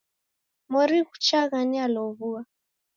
Mori ghuchagha nialow'ua.